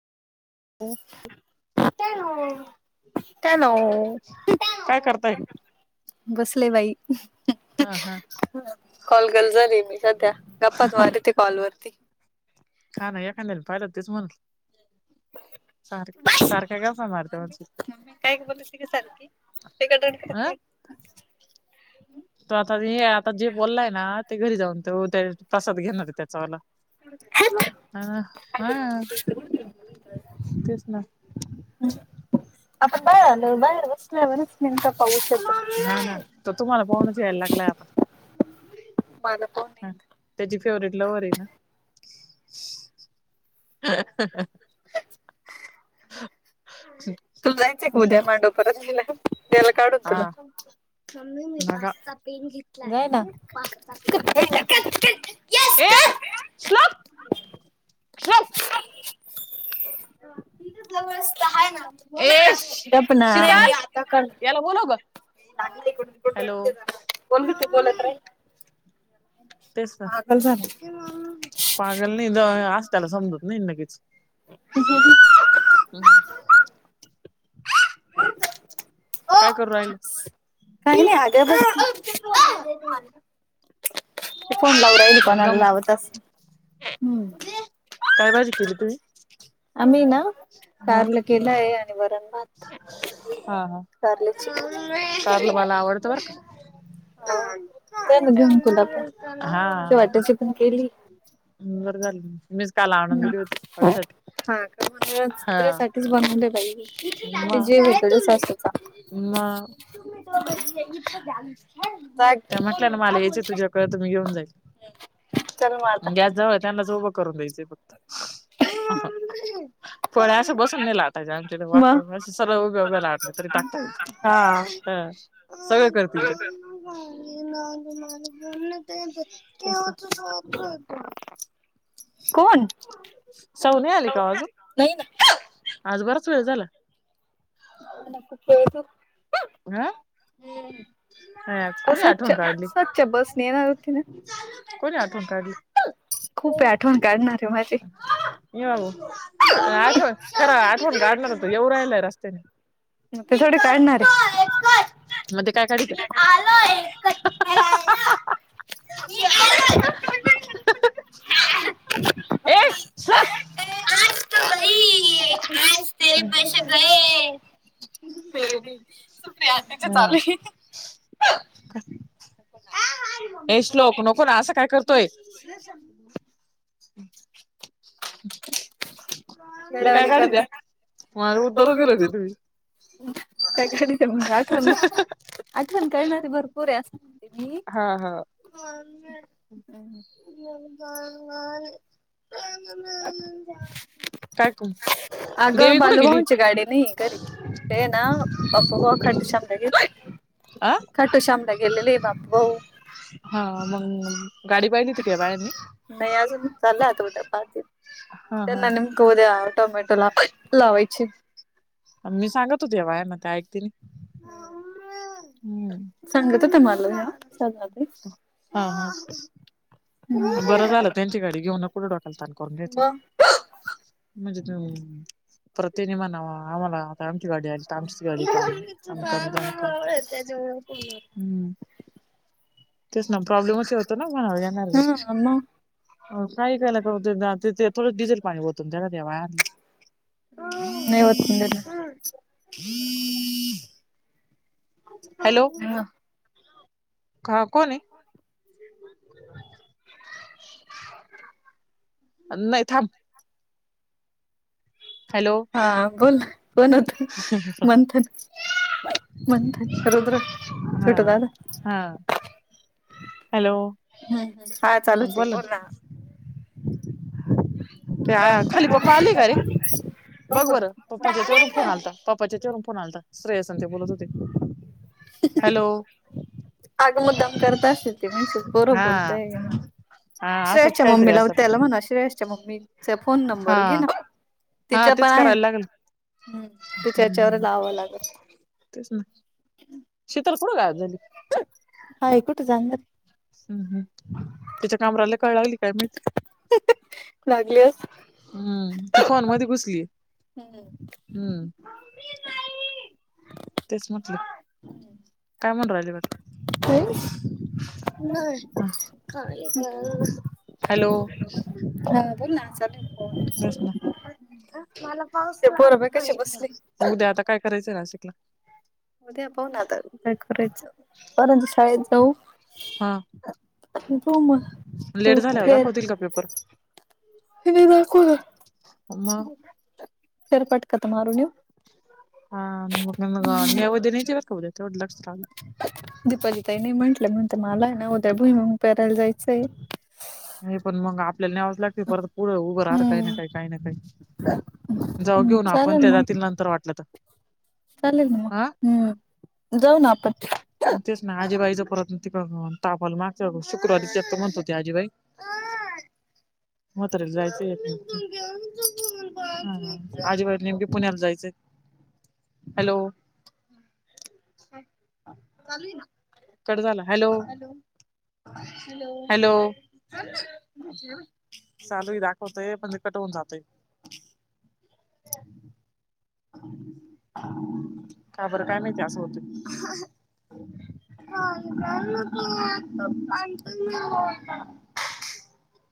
ह हॅलो काय करताय? बसले बाई. हा हा कॉल गल झाली मी सध्या गप्पा तुमारी ते कॉल वरती. हा नाही एखाद्या पाहियलं तेच म्हटलं सारख सारख्या काफ मारते मम्मी काय म्ह बोलते की सारखी तिकडे हह काय त आता हे आता जे बोललाय ना. ते घरी जाऊन ते त्या प्रसाद घेणार आहे त्याचा वाला हा तेच ना आपण बाहेर आलो बाहेर वसल्या वरस नक पाह शतो हा ना तुम्हाला पहूनच यायला लागय आपण मला प त्याची फेवर्हेट लव्ह र आहे ना? ह तु जायचं आहे का उद्या मांडो परतला द्यायला काढून तुला. म मी मीचा पेन जाय घेतलाय ना पाच पेन ह शलक शलक. ह ये गप ना शि ताल याला बोल ग. हॅलो कोण त बोलत. तेच पागल झालं पागल नाही ज अस त्याला समजत नाही नकीच. ह. हम्. [inaudible] काय कर हो राहिल. काही नाही अगं त कोण लावू राहिल कोणाला एकदम लावतस. काय बाजी केली तु्. आम्ही ना कारला केलंय आणि वरण भात. हा हा कारले चिकन. कारलं मला आवडतं बर का घेऊन तुला पण तुझ्या हा वाट्याची पण केली. ल झाल मीच काल आणून दिली होती हा [unintelligible] का म्हणूनच हा. तुझ्यासाठीच बनवले बाई. ते जीव आहे तुझ्या सासूचा. म. [unintelligible] जा त्या म्हटल्या मला याचं तुझ्याकड तुम्ही घेऊन चल मग जाईल, आता. गॅस जाव त्यांनाच उभं करून द्यायचंय फक्त. फळ असं बसून नाही लावाय आमच्या मग वाकून अस सरळं उभ्या उभ्याला [unintelligible] टाकत. हा सगळ करतील ते. [unintelligible] कोण? सवणे आले का नाही अजून, ना आज बराच वेळ झाला. [unintelligible] हा हा कोणी सच आठवण काढली? सच बस ने येणार होती ना. कोणी आठवण काढली. खूप आहे आठवण काढणार आहे माझी. ये बाबू काय आठ तर आठवण गाडणार त एवं राहिलाय रस्त्याने. [unintelligible] काय नात. मध्ये काय काढित. आलो हेअरकट करायला. ए सर पश गय. [unintelligible] [unintelligible] चालू हाय. कर. ए श्लोक नको ना असं काय करतोय. [inaudible] ते काय वेड्यावाणी काढ द्या करते. उधर दिलं [unintelligible] त्या [unintelligible] आठवण आठवण करणारी भरपूर आहे अस. हा हा. [unintelligible] आग देवी कुठे गेली बालूमामाचे. ते ना. बापू भाऊ खंड शमला गेलोय, अ खंट शमला गेलेल हाय बापू. हा मग गाडी पाहिजे तीके बाळ्यांने नाही अजून चाललं आत उद्या पात हा हा त्यांना नेमक उद्या टोमॅटो ला प मी सांगत होते वयाने काय ऐकतील. हम्म. सांगत होत्या मला ह्या साधना ताई. हा हा. बरं झालं त्यांची गाडी घेऊन [unintelligible] तान करून घ्याच. मग? म्हणजे ते. प्रतिनिमणावा आम्हाला आता आमची गाडी आली तर आमचीच गाडी [unintelligible] हम्म तेच ना प्रॉब्लेमच होतो ना म्हणा येणार. हा मग काही [unintelligible] ते थोडं डिझेल पाणी होतून त्याला द्यावा. नाही वचन दिलं [inaudible] हॅलो. हा. हा कोण हाय? नाही थांब. हॅलो हा बोल कोण होत म्हणतान. म्हणत रुद्र हा छुटून आलं. हा हॅलो, हम्म हम्म हा चालूच आहे बोला. बोल ना. ते खाली पप्पा आले का रे. बघ बरं. पप्पाच्या हेज्यावररून फोन आलता पप्पाच्या हेज्याचवरून फोन आलता श्रेयस आण ते बोलत होते. हॅलो. अगं मुद्दाम करत असेल ते म्हणशील पोरं हा. बोलताय. हा आसच श्रेयासच्या कायतरी मम्मीला आसल त्याला म्हणा श्रेयासच्या मम्मीचा फोन नंबर हा. घे ना. हा तिच्या पण तेच आहे करायला लागल. हम्म तिच्या याच्यावर लावावं लागल. तेच ना शितल कूट गायब झाली? हाय कुठे जाणार हम् हम् तिच्या कामराला कळ लागली काय माईत. लागली हा हम्म ती फोन मध्ये घुसली. हम्म. तेच म्हटलं काय म्हनू रायली बगा. काय? नाई का काय खाल. हॅलो बोल ना चालेल फोन बस ना. मला पाऊस ते पोरं बघ कशे लागतोय बसले. उद्या आता काय करायचंय नाशिकला? उद्या पाहू ना आता काय करायचं परंतु शाळेत जाऊ. हा तूम त लेट झाल्यावर फर [unintelligible] दाखवतील का पेपर हेदा को [unintelligible] म. फेरफटका तर मारून येऊ. हा मग नेवेद्य नाही केलात का बरं. तेवढं लक्ष टा दीपाली ताई नाही म्हटलं म्हणते मला आहे ना उद्या भुईमुग पेरायला जायचंय. नई पण मंग आपल्याला न्यावाच लागतंय परत पुढं उभं राह काही ना हम्म काही. काही जाऊ घेऊन आपण चालेल त्या जातील मग नंतर वाटलं त. चालेल ना म हम्म जाऊ ना आपण. म तेच ना आजीबाईच परत त तापल मागच्या शुक्रवारी त्या म्हणत होत्या आजीबाई. म्हातारील जायचय येत ह आजीबाई नेमके पुण्याला जायचंय. हॅलो, चालू येना कट झाला हॅलो. हॅलो चालू ह दाखवतय पण कट होऊन जातंय. का बरं काय माहिती आसं होत. हाु [unintelligible]